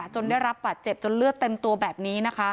จนได้รับบาดเจ็บจนเลือดเต็มตัวแบบนี้นะคะ